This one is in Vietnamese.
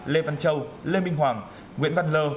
lê văn châu lê minh hoàng nguyễn văn lơ